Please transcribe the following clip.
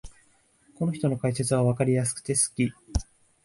この人の解説はわかりやすくて好き